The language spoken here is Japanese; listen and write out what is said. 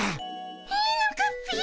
いいのかっピ？